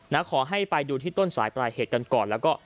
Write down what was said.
ขอให้ไปดูที่ต้นสายปลายเหตุกันก่อนแล้วก็